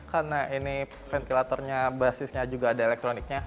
karena ini ventilatornya basisnya juga ada elektroniknya